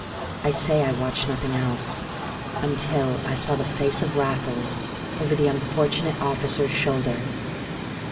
I say I watched nothing else until I saw the face of Raffles over the unfortunate officer's shoulder.